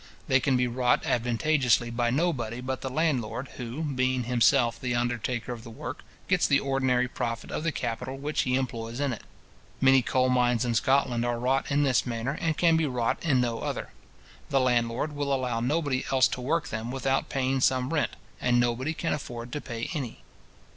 They can be wrought advantageously by nobody but the landlord, who, being himself the undertaker of the work, gets the ordinary profit of the capital which he employs in it. Many coal mines in Scotland are wrought in this manner, and can be wrought in no other. The landlord will allow nobody else to work them without paying some rent, and nobody can afford to pay any.